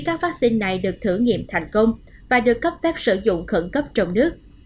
các vaccine này được thử nghiệm thành công và được cấp phép sử dụng khẩn cấp trong nước